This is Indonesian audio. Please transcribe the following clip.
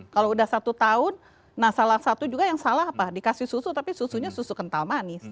kalau udah satu tahun nah salah satu juga yang salah apa dikasih susu tapi susunya susu kental manis